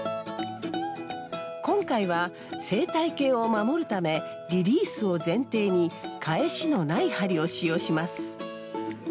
今回は生態系を守るためリリースを前提に返しのない針を使用します。